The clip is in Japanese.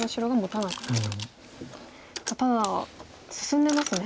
ただ進んでますね。